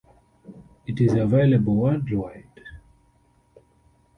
It is available worldwide.